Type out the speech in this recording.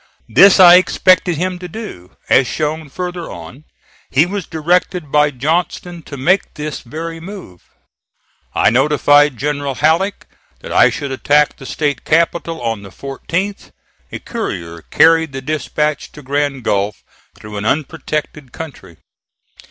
This I expected him to do; as shown further on, he was directed by Johnston to make this very move. I notified General Halleck that I should attack the State capital on the 14th. A courier carried the dispatch to Grand Gulf through an unprotected country.